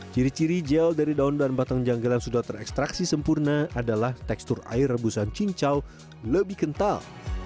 ciri ciri gel dari daun dan batang janggal yang sudah terekstraksi sempurna adalah tekstur air rebusan cincau lebih kental